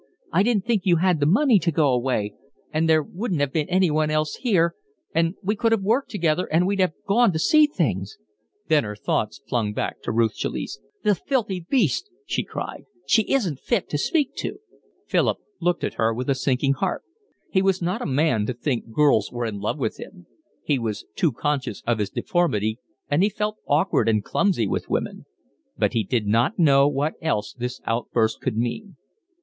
"I didn't think you had the money to go away, and there wouldn't have been anyone else here, and we could have worked together, and we'd have gone to see things." Then her thoughts flung back to Ruth Chalice. "The filthy beast," she cried. "She isn't fit to speak to." Philip looked at her with a sinking heart. He was not a man to think girls were in love with him; he was too conscious of his deformity, and he felt awkward and clumsy with women; but he did not know what else this outburst could mean.